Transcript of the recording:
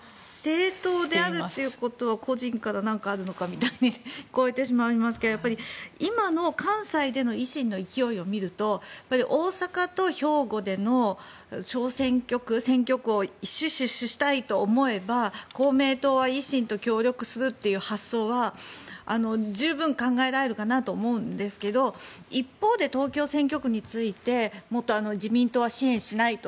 政党であるということは個人から何かあるのかみたいに聞こえてしまいますが今の関西での維新の勢いを見ると大阪と兵庫での小選挙区、選挙区を死守したいと思えば公明党は維新と協力する発想は十分考えられるかなと思うんですけど一方で、東京選挙区についてもっと自民党は支援しないと。